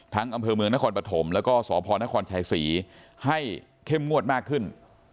อำเภอเมืองนครปฐมแล้วก็สพนครชัยศรีให้เข้มงวดมากขึ้น